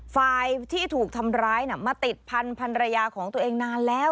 ฝ่ายที่ถูกทำร้ายน่ะมาติดพันธุ์พันธุ์ระยะของตัวเองนานแล้ว